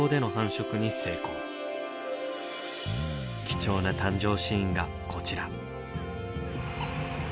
貴重な誕生シーンがこちら。